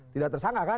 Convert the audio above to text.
tidak tersangka kan